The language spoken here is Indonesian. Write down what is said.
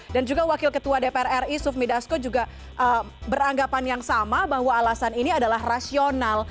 dan juga wakil ketua dpr ri sufmi dasko juga beranggapan yang sama bahwa alasan ini adalah rasional